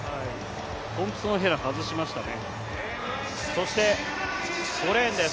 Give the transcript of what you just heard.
トンプソンヘラを外しましたね。